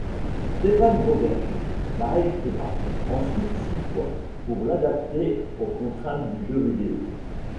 Stéphane Beauverger la réécrira ensuite six fois pour l'adapter aux contraintes du jeu vidéo.